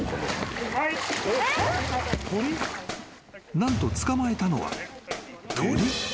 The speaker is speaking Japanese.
［何と捕まえたのは鳥］